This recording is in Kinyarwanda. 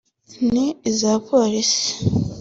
n’iza polisi